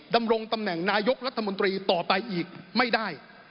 ดำรงตำแหน่งนายกรัฐมนตรีต่อไปอีกไม่ได้